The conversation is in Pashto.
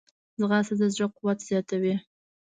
ځغاسته د زړه قوت زیاتوي